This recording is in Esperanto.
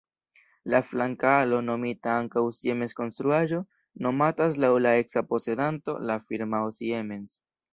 La flanka alo, nomita ankaŭ Siemens-konstruaĵo, nomatas laŭ la eksa posedanto, la firmao Siemens.